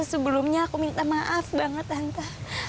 tante sebelumnya aku minta maaf banget tante